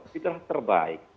itu adalah terbaik